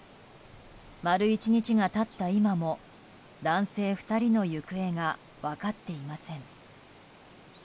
丸１日が経った今も男性２人の行方が分かっていません。